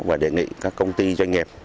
và đề nghị các công ty doanh nghiệp